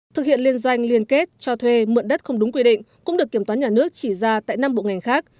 thực hiện liên doanh liên kết cho thuê mượn đất không đúng quy định cũng được kiểm toán nhà nước chỉ ra tại năm bộ ngành khác